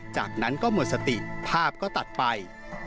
จากนั้นก็หมดสติภาพก็ตัดไป